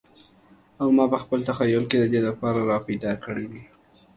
او ماپه خپل تخیل کی ددې د پاره را پیدا کړی دی